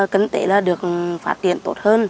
kinh tế là được phát triển tốt hơn